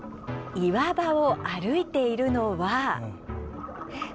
岩場を歩いているのは。